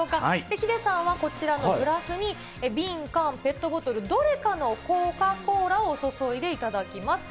ヒデさんはこちらのグラスに、瓶、缶、ペットボトル、どれかのコカ・コーラを注いでいただきます。